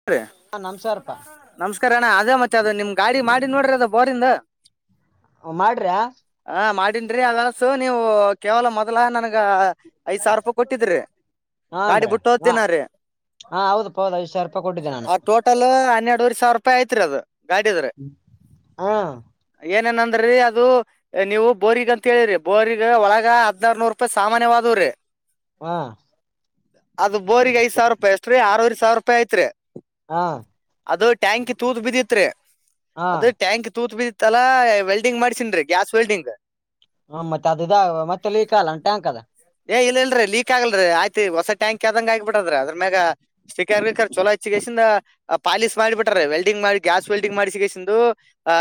[inaudible] ಹಾ ನಮ್ಸಾರಪ್ಪಾ ನಮಸ್ಕಾರ ಅಣ್ಣಾ ಅದೇ ಮತ್ತೆ ಅದು ನಿಮ್ ಗಾಡಿ ಮಾಡಿನೋಡ್ರೀ ಅದ್ ಬೋರಿಂದು. ಹ್ಮ್ ಮಾಡ್ರಾ ಹ ಮಾಡಿನ್ರೀ ಅದಾಸು ನೀವು ಕೇವಲ ಮೊದಲೆ ನನ್ಗ ಐದ್ ಸಾವ್ರೂಪಾಯಿ ಕೊಟ್ಟಿದ್ರಿ ಗಾಡಿ ಹಾನ್ರಿ ಹ ಬಿಟ್ಟೋದ್ದಿನ ರೀ. ಹಾ ಹೌದು ಪೌದ್ ಐದು ಸಾವ್ರ [unintelligible] ಆ ಟೋಟಲ್ ಹನ್ನೆರಡೂವರ್ ಸಾವ್ರುಪಾಯ್ ಆಯ್ತ್ರಿ ಅದು ಗಾಡಿದು. ಹಾ ಏನೇನಂದ್ರೀ ಅದು. ನೀವು ಬೋರಿಗ್ ಅಂತ ಹೇಳೀರಿ ಬೋರಿಗ ಒಳಗ ಹದ್ನಾರ್ನೂರೂಪಾಯಿ ಸಾಮಾನ್ಯವಾದುರೀ ಹಾ ಅದು ಬೋರಿಗೆ ಐದ್ ಸಾವಿರ ರಪಾಯಿ ಅಷ್ಟ ರೀ ಆರವಾರಿ ಸಾವಿ ರೂಪಾಯಿ ಐತ್ರಿ ಹಾ ಅದು ಟ್ಯಾಂಕಿ ತೂತ್ ಬಿದ್ದೀತ್ರೀ ಹಾ ಅದು ಟ್ಯಾಂಕ್ ತೂತ್ ಬಿದಿತ್ ತಲಾ ವೆಲ್ಡಿಂಗ್ ಮಾಡ್ಸಿನ್ರಿ ಗ್ಯಾಸ್ ವೆಲ್ಡಿಂಗ್ ಹ್ಮ್ ಮತ್ತೆ ಅದು ಇದ ಮತ್ತೆ ಲೀಕಾಲ ಟಾಂಕದ ಏ ಇಲ್ ಇಲ್ರಿ ಲೀಕ್ ಆಗಲ್ರಿ ಆಯ್ತಿ ಹೊಸ ಟ್ಯಾಂಕಿ ಆದಂಗ್ ಆಗಿಬಿಟೈತ್ರಿ ಅದ್ರ ಮ್ಯಾಗ ಸ್ಟಿಕರ್ ವಿಕರ್ ಚಲೋಚ್ಚಿಗಸಿಂದ ಪಾಲಿಶ್ ಮಾಡಿ ಬಿಟ್ಟರೆ ವೆಲ್ಡಿಂಗ್ ಮಾಡಿ ಗ್ಯಾಸ್ ವೆಲ್ಡಿಂಗ್ ಮಾಡಿಸಿ ಆಹ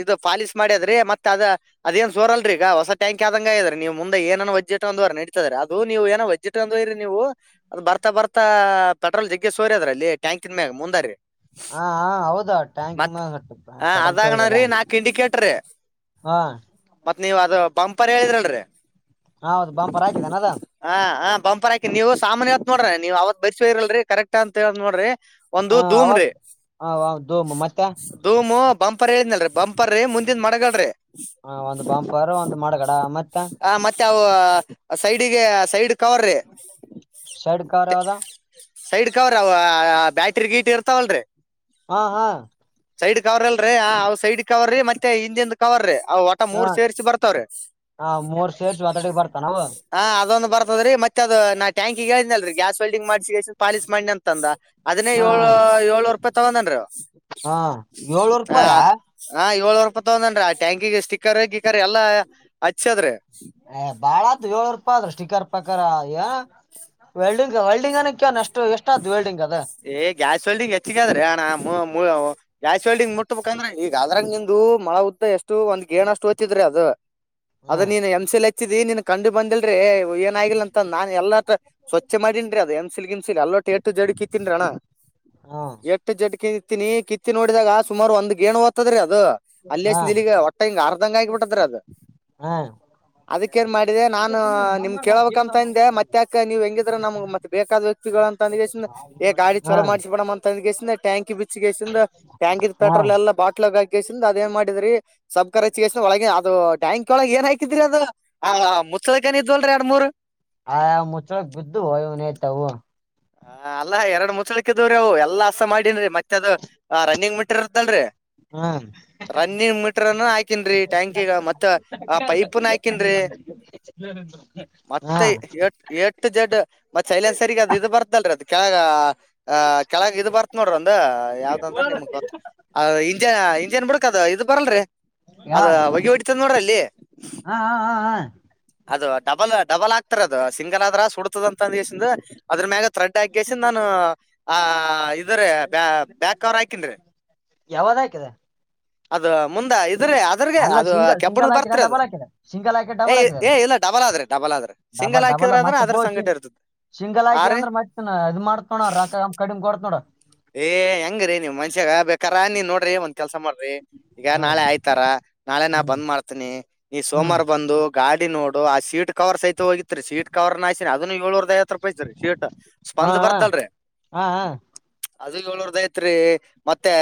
ಇದು ಪಾಲೀಶ್ ಮಾಡ್ಯದ್ರೀ ಮತ್ತ್ ಅದ ಅದೇನ್ ಸೋರಲ್ರಿ ಈಗ ಹೊಸ ಟ್ಯಾಂಕ್ ಆದಂಗ ಆಗಿದ್ರೀ ನೀವು ಮುಂದ ಎನನ್ನೋ ಒಜೆಟ್ಂದ್ರು ನಡಿತಂದ್ರಿ ಅದು ನೀವು ಏನೋ ನೀವು ಅದು ಬರ್ತ ಬರ್ತಾ ಪೆಟ್ರೋಲ್ ಜಗ್ಗೆ ಸೋರಿದ್ರಲ್ಲಿ ಟ್ಯಾಂಕಿನ್ ಮ್ಯಾಗ್ ಮುಂದಾರಿ ಆ ಹಾ ಹೌದ ಟ್ಯಾಂಕ್ ಮ ಆ ಪೆಟ್ರೋಲ್ ಅದಾಗಣ ಅದ ರೀ ನಾಕ್ ಇಂಡಿಕೇಟ್ರೀ ಹಾ ಮತ್ ನೀವ್ ಅದ ಬಂಪರ್ ಹೇಳಿದ್ರಲ್ರೀ ಹೌದು ಬಂಪರ್ ಹಾಕಿದ್ದಾನ ಅದ ಹಾ ಹಾ ಬಂಪರ್ ಆಕಿನ್ ನೀವು ಸಾಮಾನ್ಯವತ್ ನೋಡ್ರಿ ನೀವ ಅವತ್ ಬೈಸ್ ಇರಲ್ರಿ ಕರೆಕ್ಟಾ ಅಂತ ಹೇಳ್ ನೋಡ್ರಿ ಒಂದು ಹಾ ಧೂಮ್ ರೀ ಅವತ್ತ್ ಹ ಹೌ ಹೌದು ಮತ್ತೆ ಧೂಮು ಬಂಪರ್ ಹೇಳಿದ್ನಲ್ರಿ ಬಂಪರ್ ರೀ ಮುಂದಿನ ಮಡಗಾಡ್ರೀ ಹ ಒಂದ್ ಬಂಪರ್ ಒಂದ್ ಮಡಗಡ ಮತ್ತೆ ಆ ಮತ್ತೆ ಅವು ಸೈಡಿಗೆ ಸೈಡ್ ಕವರ್ ರೀ ಸೈಡ್ ಕವರ್ ಯಾದ ಸೈಡ್ ಕವರ್ ಅವ ಬ್ಯಾಟ್ರಿ ಗೀಟ್ ಇರ್ತಾವಲ್ರೀ ಹಾ ಹಾ ಸೈಡ್ ಕವರ್ ಅಲ್ರೀ ಆವ್ ಸೈಡ್ ಕವರ್ ರೀ ಮತ್ತೆ ಇಂಜನ್ ಕವರ್ ರೀ ಮತ್ತ ಹ ಮೂರ್ ಸೇರ್ಸಿ ಬರ್ತವ್ರೀ ಹ ಮೂರ್ ಸೇರ್ಸ್ ಮಾತಾಡಿಗೆ ಬರ್ತಾನವು ಹಾ ಅದೊಂದು ಬರ್ತದ್ರೀ ಮತ್ತೆ ಅದು ನಾ ಟ್ಯಾಂಕಿಗೆಗೆ ಹೇಳಿದ್ನಲ್ರಿ ಗ್ಯಾಸ್ ವೆಡಿಂಗ್ ಮಾಡ್ಸಿ ಪಾಲೀಶ್ ಮಾಡಿನಿ ಅಂತಂದ ಅದನ್ನೇ ಹ ಏಳು ಏಳ್ನೂರೂಪಾಯ್ ತಗೊಂಗದ ನ ರೀ ಹಾ ಏಳ್ನೂರೂಪಾಯಾ ಹಾ ಏಳ್ನೂರೂಪಾಯ್ ತಗೊಂಡನ್ರಿ ಆ ಟ್ಯಾಂಕಿಗೆ ಸ್ಟಿಕ್ಕರ್ ಗಿಕ್ಕರ್ ಎಲ್ಲಾ ಹಚ್ಚದ್ರಿ ಏ ಬಾಳಾತ್ ಏಳ್ನೂರೂಪೆ ಆದ್ರೆ ಶ್ಟಿಕರ್ ಪಕ್ಕರ್ ವೆಲ್ಡಿಂಗ್ ವೆಲ್ಡಿಂಗ್ ಅಷ್ಟು ಎಷ್ಟಾತು ವೆಲ್ಡಿಂಗ್ ಅದ ಏ ಗ್ಯಾಸ್ ವೆಲ್ಡಿಂಗ್ ಹೆಚ್ಚಗದ್ರೀ ಅಣ್ಣಾ ಮು ಮು ಗ್ಯಾಸ್ ವೆಲ್ಡಿಂಗ್ ಮುಟ್ಬೇಕಂದ್ರೆ ಏ ಅದ್ರಗ್ ನಿಂದೂ ಮಳ ಉದ್ದ ಎಷ್ಟು ಒಂದ್ ಗೇಣ ಅಷ್ಟು ಹೋಯ್ತಿದ್ರಿ ಅದು ಅದು ಹ್ಮ್ ನೀನ್ ಎಮ್ಸಿಲೆಚ್ ನೀನ್ ಕಂಡ್ ಬಂದಿಲ್ರೀ ಏನಾಗಿಲ್ಲ ಅಂತ ನಾನ್ ಎಲ್ಲತ್ರ ಸ್ವಚ್ಛ ಮಾಡಿನ್ರೀ ಅದ್ ಎಮ್ ಸಿಲ್ ಗಿಮಸಿಲ್ ಅಲ್ಲೊಟ್ಟ್ ಏ ಟ್ಟು ಜಡ್ ಕಿತ್ತೀನ್ರೀ ಅಣ್ಣ ಹ್ಮ್ ಏ ಜಡ್ ಕಿತ್ತಿನಿ ಕಿತ್ತಿ ನೋಡ್ದಾಗ ಸುಮಾರು ಒಂದ್ ಗೇಣು ಹೋಗ್ತಾದ್ರೀ ಅದು ಹ್ಮ್ ಅಲ್ಲೆಸ್ತೀರಿಗ ಒಟ್ಟಂಗ್ ಆರ್ಧಂಗ ಆಗ್ಬಿಟ್ತ್ರಾದ್ ಹ್ಮ್ ಅದಕ್ಕ ಏನ್ ಮಾಡಿದೆ ನಾನು ನಿಮ್ ಕೇಳ್ಬೇಕಂತಂದೆ ಮತ್ತ್ಯಾಕ್ ನೀವ್ ಹೆಂಗಿದ್ರೆ ನಮ್ಗ್ ಮತ್ತೆ ಬೇಕಾದ ವ್ಯಕ್ತಿಗಳಂತ್ ಎ ಗಾಡಿ ಚಲೋ ಹ್ಮ್ ಮಾಡ್ಸ್ ಟ್ಯಾಂಕಿ ಬಿಚ್ಗೆಸಿಂದ ಟ್ಯಾಂಕಿದ್ ಪೆಟ್ರೋಲ್ ಹ್ಮ್ ಎಲ್ಲ ಬಾಟ್ಟಲಾಗ್ ಹಾಕಿ ಕಿಸೀನ್ದ ಅದೇನ್ ಮಾಡಿದ್ರಿ ಸಬ್ಕರ ಚಸ್ ಒಳಗ ಅದು ಟ್ಯಾಂಕಿ ಒಳಗೆ ಏನ್ ಹಾಕಿದ್ರಿ ಅದು ಹ ಮುಚ್ಚಲದಕನ ಇದ್ವಲ್ರರಿ ಎರಡ್ಮೂರ್ ಆಯ ಮುಚ್ಚಳಕ ಬಿದ್ದು ಇವ್ನಯ್ತವು ಹ ಅಲ್ಲ ಎರಡ್ ಮುಚ್ಳಕ್ಕಿದವ್ರೀ ಅವು ಎಲ್ಲ ಹಸ ಮಾಡೇನ್ರಿ ಮತ್ತೆ ಅದು ರನ್ನಿಂಗ್ ಮೆಟ್ರಿ ಇರ್ತ್ತಲ್ರರ್ರಿ ಹಾ ರನ್ನಿಂಗ್ ಮೀಟರ್ನ್ನು ಹಾಕಿನ್ರಿ ಟ್ಯಾಂಕಿಗ್ ಮತ್ತ್ ಆ ಪೈಪನ್ ಹಾಕ ಹಾ ಎಟ್ಟು ಜಡ್ ಮತ್ ಸೈಲನ್ಸರಿಗ ಅದ್ ಇದ್ ಬರ್ತಲ್ರಿ ಅದ್ ಕೆಳಗ ಆ ಕೆಳಗ್ ಇದ್ ಬರ್ತ್ ನೋಡ್ರ ಒಂದ ಯಾವ್ದಂದ್ರ ನಿಮ್ಗ್ ಗೊತ್ತ ಅ ಇಂಜನ್ ಇಂಜನ್ ಬುಡುಕ್ ಅದ್ ಇದ್ ಬರಲ್ರೀ ಅದ್ ಯಾವಾಗ ಹೊಗೆ ಹೊಡಿತದ್ ನೋಡ್ರಲ್ಲಿ ಹಾ ಹಾ ಹಾ ಹಾ ಅದು ಡಬಲ್ ಡಬಲ್ ಆಗ್ತಾರ ಅದು ಸಿಂಗಲ್ ಆದ್ರ ಸುಡ್ತದ್ ಅಂತ [unintelligible] ಅದ್ರ ಮ್ಯಾಗ ಥ್ರೆಡ್ ಹಾಕಸಿ ನಾನು ಆ ಇದಾರೆ ಬ್ಯಾ ಬ್ಯಾಕ್ ಕವರ್ ಹಾಕಿನ್ರಿ ಯಾವ್ದ್ ಹಾಕಿದೆ ಅದ್ ಮುಂದ ಇದ್ರೆ ರ್ಧಗೆ ಅಲ್ಲ ಅದು ಸಿಂಗಲ್ ಸಿಂಗಲ್ ಕೆಬ್ಬಣದ್ ಹಾಕಿದ ಬರ್ತೇರೇದ್ ಡಬಲ್ ಹಾಕಿದೆ ಸಿಂಗಲ್ ಹಾಕಿ ಏ ಡಬಲ್ ಹಾಕಿದೆ ಏ ಇಲ ಡಬಲ್ ಆದ್ರೆ ಡಬಲ್ ಆದ್ರೆ ಸಿಂಗಲ್ ಡಬಲ್ ಡಬಲ್ ಹಾಕಿದ್ರೇದ್ರ್ ಮತ್ತೆ ಅದ್ರ ಪೋಸ್ಟ್ ಸಂಘಟ ಇರ್ತದ್ ಸಿಂಗಲ್ ಆಯ್ಕಿ ಅಂದ್ರ್ ಮತ್ನ ಅದ್ ಮಾಡ್ತೋಡ ರಕ್ಕ ಕಡಿಮ್ ಕೊಡ್ತ್ ನೋಡ ಏ ಹೆಂಗರೀ ನೀವ್ ಮನ್ಸ್ನ್ಯಾಗ ಬೇಕಾರ ನೀನ್ ನೋಡ್ರಿ ಒಂದ್ ಕೆಲ್ಸ ಮಾಡ್ ಡಿ ಈಗ ಹ್ಮ್ ನಾಳೆ ಆಯ್ತಾರ ನಾಳೆ ನಾ ಹ್ಮ್ ಬಂದ್ ಮಾಡ್ತೀನಿ ನೀ ಹ್ಮ್ ಸೋಮರ ಬಂದು ಗಾಡಿ ನೋಡು ಆ ಸೀಟ್ ಕವರ್ ಸಹಿತ ಹೋಗಿತ್ರಿ ಸೀಟ್ ಕವರ್ ನಾಸಿನಿ ಅದನು ಎಳ್ನುರ್ದೈವತ್ರೂಪಾಯಿತ್ರಿ ಸೀಟ್ ಹಾ ಸ್ಪಂಜ್ ಹ ಬರ್ತಲ್ರಿ ಹಾ ಹಾ ಅದು ಎಳ್ನುರ್ದೈವತ್ರಿ ಮತ್ತೆ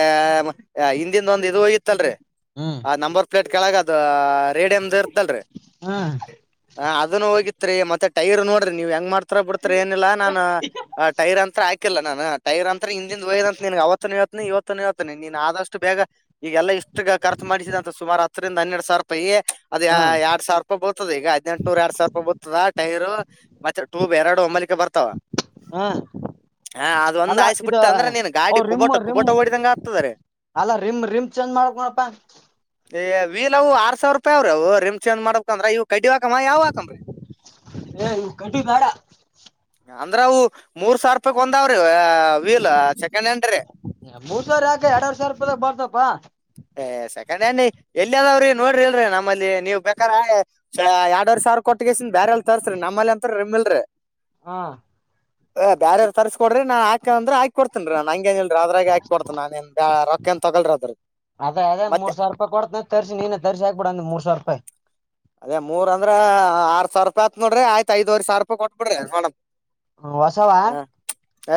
ಹಿಂದಿಂದ್ ಒಂದು ಇದು ಹೋಗಿತ್ತಲ್ರಿ ಹ್ಮ್ ಆ ನಂಬರ್ ಪ್ಲೇಟ್ ಕೆಳಗ್ ಅದ್ ರೇಡಿಯಮ್ದ ಇರ್ತಲ್ರಿ ಹ್ಮ್ ಹ ಅದನ್ನು ಹೋಗಿತ್ರಿ ಮತ್ತೆ ಟೈರ್ ನೋಡ್ರಿ ನೀವ್ ಹೆಂಗ್ ಮಾಡ್ತ ಹತ್ರ ಬಿಡ್ತ್ರ್ ಏನಿಲ್ಲ ನಾನ ಆ ಟೈರ್ ಅಂತ್ರ ಹಾಕಿಲ್ಲ ನಾನು ಟೈರ್ ಅಂತರ್ ಇಂಜನ್ ಒಯ್ದ ಅಂತ್ ನಿನ್ಗ್ ಅವತ್ನ್ ಇವತ್ನಿ ಇವತ್ನ್ ಅವತ್ನಿ ನೀನ್ ಆದಷ್ಟು ಬೇಗ ಈಗಲ್ಲ ಇಷ್ಟು ಖರ್ಚು ಮಾಡಿಸಿದ ಅಂತ ಸುಮಾರ್ ಹತ್ತರಿಂದ ಹನ್ನರಡ್ ಸಾವ್ರುಪಾಯೀ ಅದ ಹ್ಮ್ ಎರಡ್ ಸಾವರ್ ಬತದ ಈಗ ಹದಿನಂಟುನೂರ ಎರಡ್ಸಾವರ್ ರೂಪಾಯಿ ಬತ್ತದ ಟೈರ್ ಮತ್ತೆ ಟೂಬ್ ಎರಡು ಹೊಮ್ಮ್ಲಿಕ್ಕೆ ಬರ್ತಾವ ಹಾ ಒಂದ ಆಯ್ಸ್ ಬಿಟ್ಟ ಅಂದ್ರೆ ನೀನ್ ಗಾಡಿ ಕುಬೋಟ ಕುಬೋಟ ಓಡಿದಂಗೆ ಆಗ್ತಾದ್ರಿ ಅಲ್ಲಾ ರಿಮ್ ರಿಮ್ ಚೇಂಜ್ ಮಾಡಕೋಣಪ್ಪಾ ಏ ವೀಲವು ಅರ್ಸಾವರ್ರೂಪಾಯಿ ಅವ್ರೆವು ರಿಮ್ ಚೇಂಜ್ ಮಾಡಬೇಕ್ ಅಂದ್ರೆ ಇವು ಕಡಿವ ಕಮಾಯ ಯಾವ ಕಮರ್ ಏ ಇವು ಕಡ್ಡಿ ಬೇಡ [unintelligible] ಅಂದ್ರ ಅವು ಮೂರ್ಸಾವ್ರುಪಾಯೀಗ್ ಒಂದಾವ್ರೀ ವೀಲ್ ಸೆಕೆಂಡ್ಹಾಂಡ್ರಿ ಮೂರ್ ಸಾವಿರ ಯಾಕೆ ಎರಡೂವರೆ ಸಾವಿರ ರೂಪಾಗ ಬರ್ತಪ್ಪಾ ಏ ಸೆಕೆಂಡ್ ಹ್ಯಾಂಡ್ ಎಲ್ಲಿವವ್ರಿ ನೋಡ್ರಿ ಇಲ್ರಿ ನಮ್ಮಲ್ಲಿ ನೀವ್ ಬೇಕಾದ್ರ ಎರಡ್ವರೇ ಸಾವಿರ ಕೊಟ್ಟಗಿಸನ್ ಬೇರೆ ಎಲ್ಲ ತರ್ಸ್ರಿ ನಮ್ಮಲ್ಲಿ ಅಂತ ರೀಮಿಲ್ರಿ ಹಾ ಬ್ಯಾರೆಲ್ಲ ತರ್ಸ್ಕೊಡ್ರಿ ನಾ ಹಾಕ್ ಅಂದ್ರೆ ಹಾಕ್ ಕೊಡ್ತನ್ರಿ ನಂಗೇನ್ಲ್ರಿ ಅದ್ರಗೆ ಹಾಕೊಡ್ತಾನ್ ನಾನೆನ್ ಬ್ಯಾ ರೊಕ್ ಏನ್ ತಗೋಳ್ರದ್ರಿ ಅದೆ ಅದ್ ಮೂರ್ ಸಾವ್ರುಪೇಯೀ ಕೊಡ್ತ್ನೆ ತರಸ್ ನೀನೇ ತರಿಸಿ ಹಾಕ್ಬಿಡ್ ಅಂದ ಮೂರ್ಸಾವ್ರುಪೇಯೀ ಅದೇ ಮೂರ್ ಅಂದ್ರ ಆರ್ ಸಾವಿರ್ರೂಪಾಯ್ ಆತನೋಡ್ರಿ ಆಯ್ತ ಐದ್ವರ್ ಸಾವ್ರುಪೇಯೀ ಕೊಟ್ ಬಿಡ್ರಿ ಹ ಹೊಸವಾ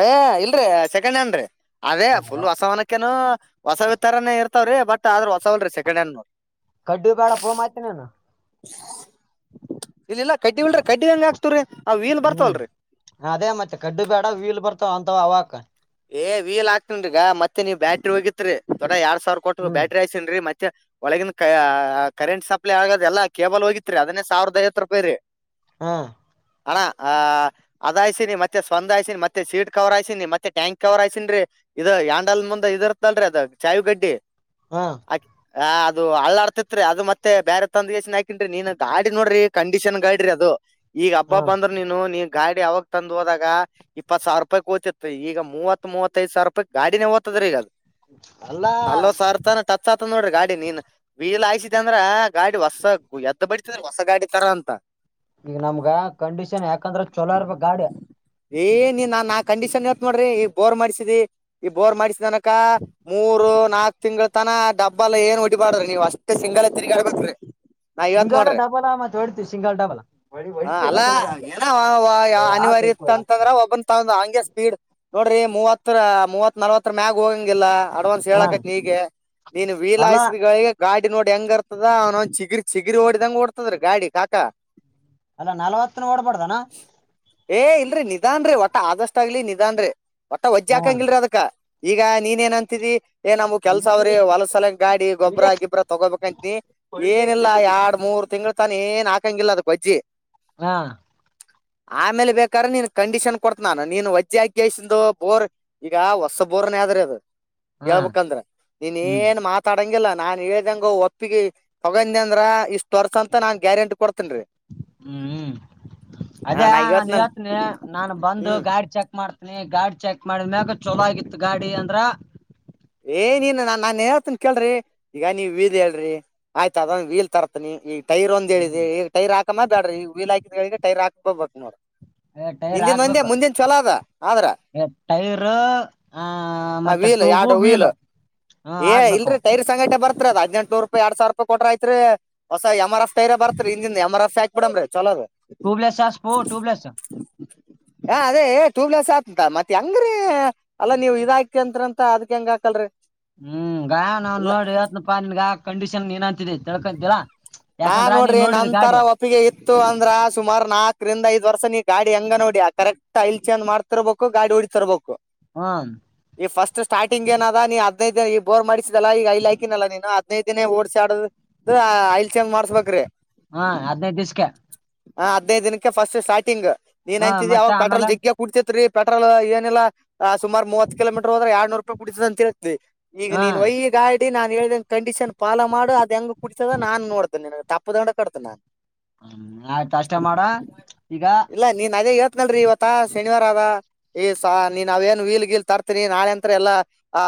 ಏ ಇಲ್ರೀ ಸೆಕೆಂಡ್ ಹ್ಯಾಂಡ್ರೀ ಅದೇ ಫುಲ್ ವಸವನ ಕ್ಕನೊ ಹೊಸವ್ತಾರಾನೇ ಇರ್ತವ್ರೀ ಬಟ್ ಆದ್ರ ಹೊಸವಲ್ರೀ ಸೆಂಡ್ ಹ್ಯಾಂಡ್ ನೋ ಕಡ್ಡಿ ಬ್ಯಾಡ ಪೋನ್ ಮಾಡ್ತೆನೇನು ಇಲ್ಲಲ್ಲ ಕಡ್ಡಿ ಇಲ್ರರಿ ಕಡಿ ಹೆಂಗ ಹಾಕ್ತಿವ್ರಿ ಆ ವೀಲ್ ಹ್ಮ್ ಬರ್ತವಲ್ರರಿ ಅದೇ ಮತ್ತೆ ಕಡ್ಡು ಬೇಡ ವೀಲ್ ಬರ್ತಾವ ಅಂತಾವ ಹಾಕ ಏ ವೀಲ್ ಹಾಕ್ತೀನ್ರೀ ಈಗ ಮತ್ತೆ ನೀವ ಬ್ಯಾಟ್ರಿ ಹೋಗಿತ್ರಿ ದೊಡ್ಡ ಎರಡ ಸಾವಿರ ಕೊಟ್ರ ಹ್ಮ್ ಬ್ಯಾಟ್ರಿ ಆಯ್ತನ್ ಮತ್ತೆ ಒಳಗಿನ ಕ ಕರೆಂಟ್ ಸಪ್ಲೈ ಆಗೋದ ಎಲ್ಲ ಕೇಬಲ್ ಹೋಗಿತ್ರಿ ಅದನ್ನೇ ಸಾವಿರದ ಐವತ್ತು ರೂಪಾಯಿ ರೀ ಹಾ ಅಣ್ಣ ಅ ಅದಾಯ್ಸಿನಿ ಮತ್ತೆ ಸ್ವಂದ ಆಯ್ಸಿನಿ ಮತ್ತೆ ಸೀಟ್ ಕವರ್ ಆಯ್ಸಿನಿ ಮತ್ತೆ ಟ್ಯಾಂಕ್ ಸೀಟ್ ಕವರ್ ಹಾಕ್ಸಿನರೀ ಇದು ಹಾಂಡಲ್ ಮುಂದ್ ಇದ ಇರ್ತ್ತಲ್ರರಿ ಅದ ಚಾವಿ ಗಡ್ಡಿ ಹಂ ಆ ಆ ಅದು ಅಳ್ಳಾಡ್ತಿತ್ರಿ ಅದು ಮತ್ತೆ ಬೇರೆ ತಂದಗೇಶನ್ ಹಾಕಿನ್ ನೀನ್ ಗಾಡಿ ನೋಡ್ರಿ ಕಂಡೀಷನ್ ಗಾಡ್ರಿ ಅದು ಈಗ ಹಾ ಅಬಬ್ಬ ಅಂದ್ರರು ನೀನು ನೀ ಗಾಡಿ ಅವಾಗ ತಂದು ಹೋದಾಗ ಇಪ್ಪತ್ ಸಾವಿರ ರೂಪಾಯಿ ಹೋಗತಿತ್ತು ಈಗ ಮೂವತ್ ಮೂವತ್ತೈದ ಸಾವಿರ ರೂಪಾಯಿ ಗಾಡಿನ ಹೋಗತ್ ದ್ರ ಈಗದು ಅಲ್ಲಾ [unintelligible] ಟಚ್ ಆತದ್ ನೋಡ್ರಿ ಗಾಡಿ ನೀನ್ ವೀಲ್ ಆಯ್ಸಿದೆ ಅಂದ್ರ ಗಾಡಿ ಹೊಸಗ್ ಎದ್ ಬಿಡ್ತೀದ್ರ ಹೊಸ ಗಾಡಿ ತರಾ ಅಂತ ಈಗ ನಮ್ಗ ಕಂಡೀಷನ್ ಯಾಕಂದ್ರೆ ಚೊಲೋ ಇರ್ಬೇಕ ಗಾಡಿ ಏ ನೀನ್ ನಾನ್ ಆ ಕಂಡೀಷನ್ ಹೇಳತ್ ನೋಡ್ರಿ ಈ ಬೋರ್ ಮಾಡ್ಸಿದ್ರೀ ಈ ಬೋರ್ ಮಾಡ್ಸಿದಿ ಅನಕಾ ಮೂರು ನಾಕ್ ತಿಂಗಳ ತನ ಡಬ್ಬಲ್ ಏನ್ ಒಡೀಬಾರ್ದು ನೀವ್ ಅಷ್ಟೇ ಸಿಂಗಲ್ ತಿರಗಾಡ ಬೇಕರಿ ನಾ ಹೇಳತ್ ಸಿಂಗಲ್ ನೋಡ್ರಿ ಡಬಲ್ ಮತ್ ಹೊಡಿತಿವಿ ಸಿಂಗಲ್ ಡಬಲ್ ಹ ಅಲ್ಲ ಏನೋ ಆತ ಅನಿವಾರ್ಯ ಇ ಅಂತಂದ್ರೆ ಒಬ್ಬನ್ ತ ಹಂಗೆ ಸ್ಪೀಡ್ ನೋಡ್ರಿ ಮೂವತ್ತ ಮೂವತ್ ನಲ್ವತ್ತರ ಮ್ಯಾಗ ಹೋಗಂಗಿಲ್ಲಾ ಅಡ್ವಾನ್ಸ್ ಹಾ ಹೇಳಾಕತಿ ಇಗೆ ನೀನ್ ವೀಲ್ ಅಲ್ಲ ಯಾಸಿದಗ ಗಾಡಿ ನೋಡಿ ಹೆಂಗರ್ತದ ಅವನೊಂದ್ ಚಿಗರಿ ಚಿಗರಿ ಓಡ್ದಂಗ ಓಡ್ತದ ಗಾಡಿ ಕಾಕಾ ಅಲ್ಲಾ ನಲ್ವತ್ತನ ಓಡ್ ಬಾರಡ್ದನ್ ಏ ಇಲ್ರರಿ ನಿಧಾನ್ರೀ ಒಟ್ಟ ಆದಷ್ಟ ಆಗ್ಲಿ ನಿಧಾನ್ರೀ ಒಟ್ ವಜ್ಜಿ ಹಾ ಹಾಕಂಗಲ್ರರಿ ಅದಕ್ಕ ಈಗ ನೀನ್ ಏನ್ ಅಂತಿದಿ ಏ ನಮ್ಗ್ ಕೆಲ್ಸ ಅವ್ರಿ ಹೊಲಸಲ ಗಾಡಿ ಗೊಬ್ಬರ ಗಿಬ್ಬರ ತಗೋಬೇಕಂತನಿ ಏನಿಲ್ಲ ಎರಡ್ ಮೂರು ತಿಂಗಳ ತಾನ ಏನ್ ಹಾಕಂಗಿಲ್ಲ ಅದಕ ವಜ್ಜಿ ಹಾ ಆಮೇಲೆ ಬೇಕಾದ್ರ ನೀನ್ ಕಂಡೀಷನ್ ಕೊಡ್ತ ನಾನು ನೀನ್ ವಜ್ಜಿ ಹಾಕೇಶ ದು ಬೋರ್ ಈಗ ಹೊಸ ಬೋರ್ನ್ ಆದದ್ರೆ ಅದು ಹ್ಮ್ ಹೇಳ್ಬೇಕಂದ್ರೆ ನೀನ್ ಹ್ಮ್ ಏನ್ ಮಾತ ತಡಂಗಿಲ್ಲ ನಾನ್ ಹೇಳ್ದಂಗ ಒಪ್ಪಿಗೆ ತಗೊಂಡ ಅಂದ್ರ ಇಷ್ಟ ವರ್ಸ ಅಂತ ನಾನ್ ಗ್ಯಾರಂಟಿ ಕೊಡ್ತ ಹ್ಮ್ ಹಾ ಅದೇ ನಾ ನಾನು ಹೇಳ್ತನಲ್ ಹೇಳ್ತೀನಿ ನಾನ್ ಬಂದು ಹ್ಮ್ ಗಾಡಿ ಚೆಕ್ ಮಾಡ್ತಿ ನೀ ಗಾಡಿ ಚೆಕ್ ಮಾಡಿದ್ಮ್ಯಾಗ ಚೊಲೋ ಆಗಿತ್ತು ಗಾಡಿ ಅಂದ್ರ ಏ ನಾನ್ ನಾನ್ ಹೇಳತನ್ ಕೇಳ್ರಿ ಈಗ ನೀ ವೀಲ್ ಹೇಳ್ರಿ ಆಯ್ತ ಅದ ವೀಲ್ ತರತ ನೀ ಈ ಟೈರ್ ಒಂದ್ ಹ್ಮ್ ಹೇಳಿದೆ ಈಗ ಟೈರ್ ಹಾಕುಮ ಬ್ಯಾಡ್ರಿ ಈಗ ವೀಲ್ ಹಾಕಿದ್ರಗ ಟೈರ್ ಹಾಕ್ಬೋ ಬ ನೋಡಿ ಟೈರ್ ಹಿಂದಿದ ಒಂದೇ ಹಾಕ್ಬೇಕು ಮುಂದಿನ ಚಲೋದ ಆದ್ರ ಟೈರ್ ಆ ಆ ಮತ್ತೆ ವೀಲ್ ಟ್ಯೂಬು ವೀಲ್ ಹ ಏ ಹಾಕ್ಬೇಕು ಇಲ್ರಿ ಟೈರ್ ಸಂಗಾಟೆ ಬರ್ತರ ಅದ ಎಲಾ ಹ ಎಂಟನೂರ ರೂಪಾಯಿ ಎರಡ ಸಾವಿರ ರೂಪಾಯಿ ಕೊಟ್ರ ಆಐತ್ರಿ ಹೊಸ ಎಂ ಆರ್ ಎಫ ಟೈರ ಬರ್ತ್ರಿ ಹಿಂದ ಎಮ ಆರ್ಫ ಹಾಕಿ ಬಿಡ್ರ ಚಲೋದು ಟ್ಯೂಬ್ ಲೆಸ್ ಸ್ಪೋ ಟೂಬಲೇಸ್ [unintelligible] ಹ ಅದೇ ಟೂಬ್ಲರ್ಸ್ ಆತ ಮತ್ತತ್ ಹೆಂಗ್ರೀ ಅಲ್ಲಾ ನೀವು ಇದಾಗ್ತಿ ಅಂತ ಅದ [unintelligible] ಹ್ಮ್ ಗಾ ನಾ ನೋಡಿ ಹೇಳ್ತನಪ್ಪ ನಿನಗ ಕಂಡೀಷನ್ ನಿನಂತಿದೆ ತಿಳ್ಕೊಂತೀರಾ ನಾನ್ ನೋಡ್ರಿ ನಂತರ ಇತ್ತು ಅಂದ್ರ ಸುಮಾರು ನಾಕರಿಂದ ಐದ್ರ್ಷ ನೀ ಗಾಡಿ ಹಂಗ ನೋಡಿ ಕರೆಕ್ಟ್ ಇಲ್ಚೆಂದ ಮಾಡ್ ತರ್ಬೇಕು ಗಾಡಿ ಹೊಓಡಿ ತರ್ಬೇಕು ಹ ಈಗ ಫಸ್ಟ್ ಸ್ಟಾರ್ಟಿಂಗ್ ಏನದ ನೀನ್ ಹದಿನೈದ ದಿನ ಈ ಬೋರ್ ಮಾಡಿಸಿದಿಲ್ಲ ಈಗ ಐ ಹಾಕಿನಲ್ಲಾ ನೀನು ಹದಿನೈದು ದಿನ ಓಡ್ಸಾಡದು ಅದು ಐಲ್ ಚೆಂಜ ಮಾಡಬೇಕ್ರಿ ಹಾ ಹದನದ ಬಿಸ್ಕೆ ಹಾ ಹದಿನೈದು ದಿನಕ್ಕೆ ಫಸ್ಟ್ ಸ್ಟಾರ್ಟಿಂಗ್ ನೀನ್ ಹ ಅಂತಿದೀ ಮತ್ತೆ ಅವಾಗ ಆಮೇಲ ಪೆಟ್ರೋಲ್ ಜಿಗ್ಗ ಕುಡ್ತಿತ್ೀ ಪೆಟ್ರೋಲ್ ಏನಿಲ್ಲಾ ಸುಾಮಾರ್ ಮೂವತ್ ಕಿಲೋಮೀಟರ್ ಎಡ್ನೂರು ರೂಪಾಯಿ ಕುಡ್ತದ ಅಂತ ಹೇಳಿದೆ ಈಗ ಹ ನೀನ್ ಒಯಗ ಆ ನಾನ್ ಹೇಳ್ದ ಕಂಡೀಷನ್ ಫಾಲೋ ಮಾಡು ಅದ ಹೆಂಗ ಕುಡತದ ನಾನ್ ನೋಡ್ತೇನೆ ತಪ್ಪ ದಂಡ ಕಡ್ತೇನೆ ನಾನನ್ ಹ್ಮ ಆಯ್ತ ಅಷ್ಟೇ ಮಾಡ ಈಗ ಇಲ್ಲ ನೀನ್ ಅದೇ ಹೇಳ್ತನಲ್ರಿ ಇವತ್ತ ಶನಿವಾರ ಆದ ಈಸ ನೀನ್ ಅವಾವೇನು ವೀಲ್ ಗೀಲ್ ತರ್ತೀನಿ ನಾಳೆಂತ್ರ ಎಲ್ಲಾ ಆ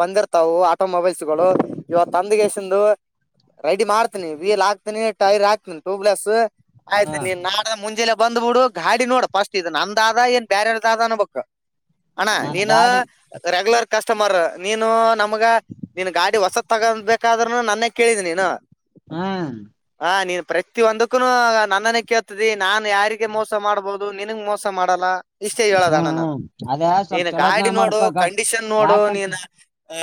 ಬಂದಿರ್ತವು ಆಟೋ ಮೊಬೈಲ್ಸ್ಗಳು ಇವತ್ತು ತಂದಗೆಸಂದು ರೈಡಿ ಮಾಡ್ತೀನಿ ವೀಲ್ ಹಾಕ್ತೀನಿ ಟೈರ್ ಹಾಕ್ತನಿ ಟ್ಯೂಬ್ಲೆಸ್ ಹ ಆಯ್ತು ನೀನ್ ನಾಡದ ಮುಂಜೆ ಬಂದ್ ಬಿಡು ಗಾಡಿ ನೋಡ ಫಸ್ಟ್ ಇದು ನಂದಾದ ಏನ್ ಬೇರೆಾರದಾದ ಅನ್ ಬಬೇಕು ಅಣ್ಣ ನಾನ್ ನೀನು ಗಾಡಿ ರೆಗ್ಯುಲರ್ ಕಸ್ಟಮರ್ ನೀನು ನಮಗ ನೀನ್ ಗಾಡಿ ಹೊಸದ ತಗೊಂಡಬೇಕಾದ್ೂನು ನನ್ನ ಕೇಳಿದ ನೀನು ಹಾ ಹ ನೀನ್ ಪ್ರತಿಿ ಒಂದಕ್ಕೂನು ನನ್ನನ ಕೇಳ್ತದೆ ನಾನ್ ಯಾರಿಗೆ ಮೋಸ ಮಾಡ್ಬೋದು ದು ನಿನಗ್ ಮೋಸ ಮಾಡಲ್ಲ ಇಷ್ಟೇ ಹ್ಮ್ ಹೇಳೋದಣ್ಣ ನಾನು ಹ್ಮ್ ಅದ ಸ್ವಲ್ಪ ನೀನ್ ಗಾಡಿ ಚೊಲೋತ್ನಾಗ ನೋಡು ಮಾಡಪಾ ಗ ಕಂಡೀಷನ್ ನೋಡು ಯಾಕಂತ ನೀನ ಆ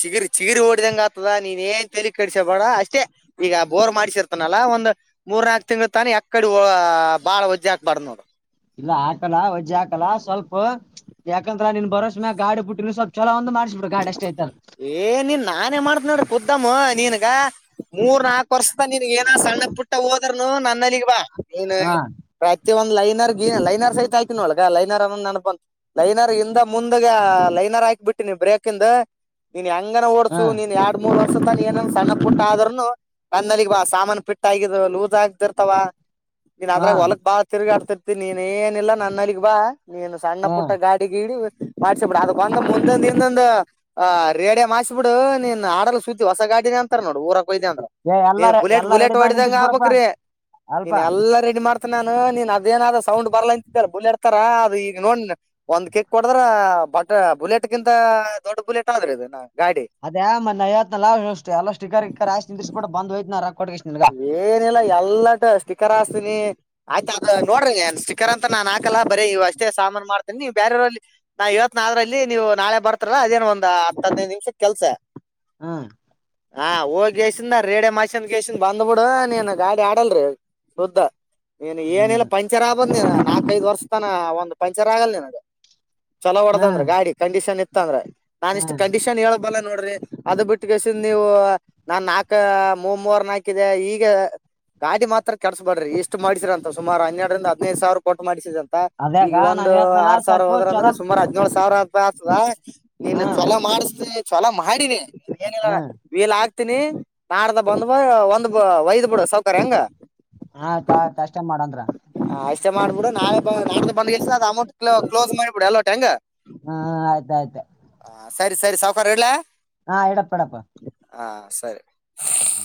ಚಿಗಿರಿ ಚಿಗಿರಿ ಓಡಿದಂಗ ಆತದ ನೀನ್ ಏನ್ ತಲಿ ಕಡಸ್ಯ ಬೇಡ ಅಷ್ಟೇ ಈಗ ಬೋರ್ ಮಾಡಿಸಿರ್ತನಲ್ಲ ಒಂದು ಮೂರ್ ನಾಕು ತಿಂಗಂಗಳು ತಾನ ಎಕ್ಕಡೆ ಬಾಳ ಒಜ್ಜಾಕ ಪಡ್ ನಡು ಇಲ್ಲ ಹಾಕಲ್ಲ ಒಜ್ಜೆ ಹಾಕಲ್ಲ ಸ್ವಲ್ಪ ಯಾಕಂದ್ರ ನೀನ್ ಬರೋಸೇಾಗ ಗಾಡು ಪುಟ್ಟಿನ ಸ್ವಲ್ಛಲ ಒಂದು ಮಾಡಿಸ್ಬಿು ಗಾಡ್ ಎಷ್ಟ ಆಯ್ತಾರ ಏ ನೀನ್ ನಾನೇ ಮಾಡತ್ ನೋಡ್ರಿ ಕುದ್ದಮ್ಮ ನೀನ್ಗ ಮೂರ್ ನಾಕು ವರ್ಷದ ನೀನ್ಗ ಏನ ಸಣ್ಣ ಪುಟ್ಟ ಹೋದರ್ನು ನನ್ನಲ್ಲಿಗ್ ಬಾ ನೀನ್ ಹಾ ಪ್ರತಿ ಒಂದು ಲೈನರ್ ಗೀ ಲೈನರ್ ಸಹತ ಆಯ್ತತಿ ನೊಳಗ ಲೈರ್ನ್ನ ಅನನ ನೆನಪ ಬಂತ ಲೈನರ್ ಇಂದ ಮುಂದೆ ಲೈನರ್ ಹಾಕ್ಿಬಿಟ್ಟ ನೀ ಬ್ರೇಕ್ ಅಕಂದ ನೀನ್ ಹೆಂಗನ ಹಾ ಓಡ್ಸು ನೀನ್ ಎರಡ್ ಮೂರ್ ವರ್ಷ ತಾನ ಏನನ್ ಸಣ್ಣ ಪುಟ್ಟ ಆದ್ರನು ನನ್ನಲ್ಲಿಗ್ ಬಾ ಸಾಮಾನ ಪಿಟ್ಟ ಆಗಿದ್ದು ಲೂಸ್ ಆಗತಿ ಇರ್ತಾವ ನೀನ್ ಹಾ ಅದ್ರಾಗ ಹೊಲಕ್ ಬಾಳ ತಿರ್ಗಾಡ್ತಿರ್ತಿ ನೀನ್ ಏನಿಲ್ಲಾ ನನ್ನಲ್ಲಿಗ್ ಬಾ ನೀನ್ ಸಣ್ಣ ಹಾ ಪುಟ್ಟ ಗಾಡಿ ಕೀಿ [unintelligible] ಅದು ಬಂದ ಮುಂದ ಒಂದು ರೇಡಿಂ ಆಸ್ಿಬಿಡು ನೀನ್ ಆಡಲ್ಲಿ ಸೂತಿ ಹೊಸ ಗಾಡಿನ ಅಂತಾರ ನೋಡು ಊರಕ್ ಹಯ್ದ ಅಂದ್ರ ಏ ನೀನ್ ಎಲ್ಲಾರ ಬುಲೆಟ್ ಎಲ್ಲಾ ಬುಲೆಟ್ ರೆಡಿ ಮಾಡಿ ಹೊಡ್ದಂಗ ನಿಂದ್ರಿಸಿ ಬಿಡಪ್ಪಾ ಆಗ್ಬಕ್್ರೀ ಅಲ್ಪ ನೀನ್ ಎಲ್ಲಾ ರೆಡಿ ಮಾಡ್ತ ನಾನ ನೀನ್ ಅದೇನಾದ್ ಸೌಂಡ್ ಬಲ ಅಂತ ಬುಲೆಟ್ ಥರ ಅದು ಈಗ ನೋಡ್ ಒಂದ್ ಕೇಕ್ ಹೋಡದ್ರ ಬಟ್ ಬುಲೆಟ್ಗಿಂತ ದೊಡ್ಡ ಬುಲೆಟ್ ಆದ್ರ ಇದ ಗಾಡಿ ಅದೇ ಮ ನಯತ್ ನಲ್ಲಷ್ಟ ಎಲ್ಲ ಸಿಕರ್ರ್ ಧಿಕ್ಕರ್ ಆಕ ನಿಂದುಸ್ ಬಿಡ್ ಬಂದ್ ಹಯ್ತ ನ ರಾ ಕೊ್ ನಿನ್ಗ ಏನಿಲ್ಲಾ ಎಲ್ಲಟ ಸ್ಟಿಕರ್ ಹಾಸ್ತೀನಿ ಆಯ್ತ ಅ ನೋಡ್ರಿನ್ ಸ್ಟಿಕರ್ ಅಂತ ನಾನ್ ಹಾಕಲ್ಲ ಬರೀ ಇವ ಅಷ್ಟೇ ಸಾಮಾನ ಮಾಡತನಿ ನೀವು ಬೇರೆವ್ರಲ್ಲಿ ನಾ ಇವತ್ ನ ಆದ್ರ ಅಲ್ಲಿ ನೀವು ನಾಳೆ ಬರ್ತರಲ್ಲಾ ಅದೇನ್ ಒಂದ ಹದ್ೈದು ನಿಮಿಷದ ಕೆಲ್ಸ ಹ್ಮ ಹಾ ಹೋಗ್ಸಿಂದ ರೇಡೆ ಮಾಸನ್ ಗಸ ಬಂದ್ಬಿಡ ನೀನ್ ಗಾಡಿ ಆಡಲ್ರಿ ಶುದ್ದ ನೀನ್ ಏನಿಲ್ಲ ಹ್ಮ್ ಪಂಚರ್ ಆಗ್ಬಂದ್ ನೀ ನಾಕೈದದು ವರ್ಷ ತನ ಒಂದು ಪಂಚರ್ ಆಗಲ್ಲಿನಗೆ ಚೊಲೋ ಹೊಡದಂದ್ರೆ ಹ್ಮ್ ಗಾಡಿ ಕಂಡೀಷನ್ ಇತ್ತ ಅಂದ್ರೆ ನಾನ್ ಇಷ್ಟು ಹ್ಮ್ ಕಂಡೀಷನ್ ಹೇಳೇಳ್ಬಲ್ಲ ನೋಡ್ರಿ ಅದ ಬಿಟ್ಟ ಕಸನ್ ನೀವು ನಾ ನಾಕ ಮೂ ಮೂರ್ ನಾಕಿದೆ ಈಗ ಗಾಡಿ ಮಾತ್ರ ಕೆಸಸಬಡ್ರಿ ಇಷ್ಟು ಮಾಡಿಸಿರ ಅಂತ ಸುಮಾರ ಹನ್ನೆರರಿಂದ ಹದಿನೈದು ಸಾವಿರ ಕೋಟ ಮಾಡಿಸಿದರಂತ ಅದ್ಯಾಗ ಈಗ ನಾನ್ ಒಂದು ಹೇಳ್ತನಲ್ಲ ಆರ್ ಸಾವಿರ ಸ್ವಲ್ಪ ಹೋದ್ರ ಅಂದ್ರೆ ಚೊಲೋ ಸುಮಾರು ಹದಿನೇಳು ಸಾವಿರ ಆ ಆತದಾ ನೀನ್ ಹ್ಮ್ ಚಛಲ ಮಾಡಿಸ ಚಛಲ ಮಾಡಿನಿ ಏನಿಲ್ಲ ಹ್ಮ್ ವಲ ಹಾಕ್ತೀನಿ ನಾಡ್ದ ಬಂದ್ ಬ ಒಂದ್ ವಯದ್ ಬಿಡ ಸೌಕರ್ಯ ಹಂಗ ಹಾತ ತ ಅಷ್ಟ ಮಾಡಂದ್ರ ಹ ಇಷ್ಟೇ ಮಾಡ್ಬಿಡು ನಾವೇ ನ್ದ ಬಂದ ಎಷ್ಟ ಅಮೌಂಟ್ ಕ್ಲೋಸ್ ಮಾಡಬಿಡು ಎಲ್ಲ ಟಂಗ್ ಹಾ ಆಯ್ತಾಯಯ್ತ ಹ ಸರಿ ಸರಿ ಸಾವಕಾರ ಇಡ್ಲೇ ಹಾ ಇಡಪ್ಪ ಇಡಪ್ಪ ಹಾ ಸರಿ ಹಾ